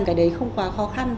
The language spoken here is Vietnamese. cái đấy không quá khó khăn